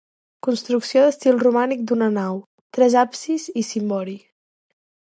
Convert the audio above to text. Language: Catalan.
Construcció d'estil romànic d'una nau, tres absis i cimbori.